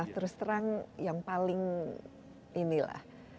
terus terang yang paling ini lah